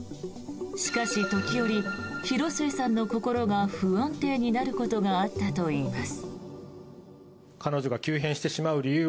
しかし、時折、広末さんの心が不安定になることがあったといいます。